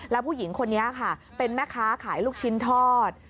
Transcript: แล้วผู้หญิงคนนี้ค่ะเป็นแม่ค้าขายลูกชิ้นทอด